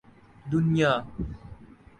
دنیا